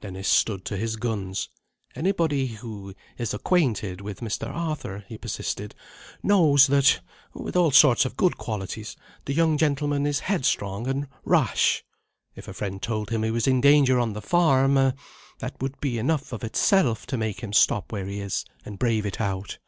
Dennis stood to his guns. "Anybody who is acquainted with Mr. Arthur," he persisted, "knows that (with all sorts of good qualities) the young gentleman is headstrong and rash. If a friend told him he was in danger on the farm, that would be enough of itself to make him stop where he is, and brave it out.